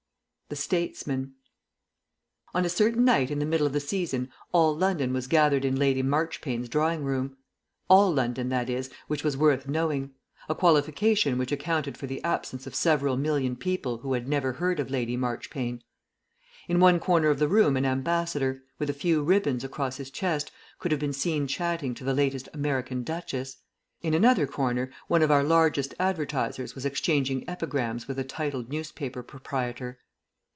THE STATESMAN On a certain night in the middle of the season all London was gathered in Lady Marchpane's drawing room; all London, that is, which was worth knowing a qualification which accounted for the absence of several million people who had never heard of Lady Marchpane. In one corner of the room an Ambassador, with a few ribbons across his chest, could have been seen chatting to the latest American Duchess; in another corner one of our largest Advertisers was exchanging epigrams with a titled Newspaper Proprietor.